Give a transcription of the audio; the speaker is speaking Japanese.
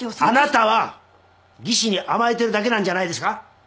あなたは技師に甘えてるだけなんじゃないですか？